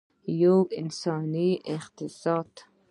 یو انساني اقتصاد.